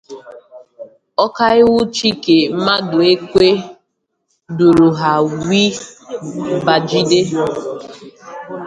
Ọkaiwu Chike Mmaduekwe duru ha wee bàgide